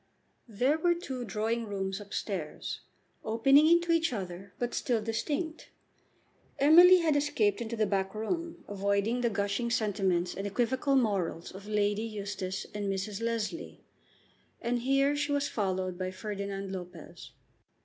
There were two drawing rooms up stairs, opening into each other, but still distinct. Emily had escaped into the back room, avoiding the gushing sentiments and equivocal morals of Lady Eustace and Mrs. Leslie, and here she was followed by Ferdinand Lopez.